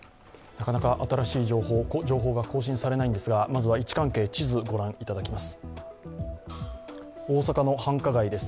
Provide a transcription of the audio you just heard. なかなか新しい情報が更新されないんですが、まずは位置関係、地図を御覧いただきます。